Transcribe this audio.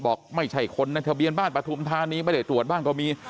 บอกไม่ใช่คนในทะเบียนบ้านปฐุมธานีไม่ได้ตรวจบ้างก็มี